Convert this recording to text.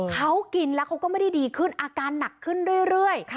เขากินแล้วเขาก็ไม่ได้ดีขึ้นอาการหนักขึ้นเรื่อย